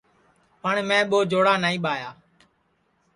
پٹؔ میں ٻو جوڑا نائی ٻایا